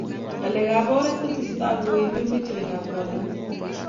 ngalekab oret kotesetai ku iime metewekab kandoik